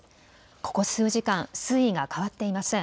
ここ数時間、水位が変わっていません。